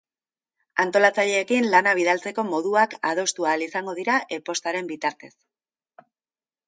Antolatzaileekin lana bidaltzeko moduak adostu ahal izango dira e-postaren bitartez.